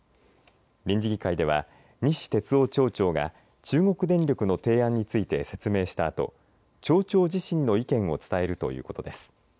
臨時議会では西哲夫町長が中国電力の提案について説明したあと町長自身の意見を伝えるということです。